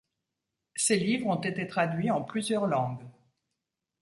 Ces livres ont été traduits en plusieurs langues.